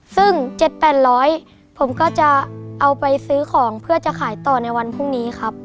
ซึ่ง๗๘๐๐ผมก็จะเอาไปซื้อของเพื่อจะขายต่อในวันพรุ่งนี้ครับ